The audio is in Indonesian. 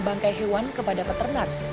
bangkai hewan kepada peternak